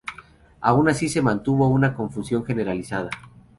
Aun así se mantuvo una confusión generalizada.